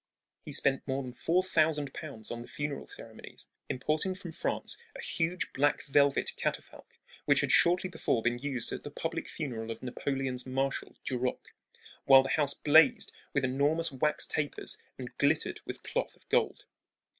He spent more than four thousand pounds on the funeral ceremonies, importing from France a huge black velvet catafalque which had shortly before been used at the public funeral of Napoleon's marshal, Duroc, while the house blazed with enormous wax tapers and glittered with cloth of gold.